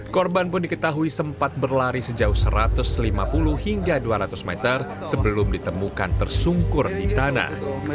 korban pun diketahui sempat berlari sejauh satu ratus lima puluh hingga dua ratus meter sebelum ditemukan tersungkur di tanah